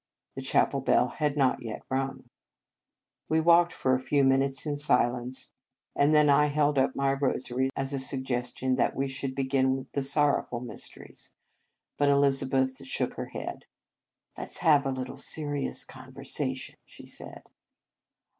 The chapel bell had not yet rung. We walked for a few min utes in silence, and then I held up 87 In Our Convent Days my rosary as a suggestion that we should begin the sorrowful mysteries. But Elizabeth shook her head. " Let ? s have a little serious conver sation," she said.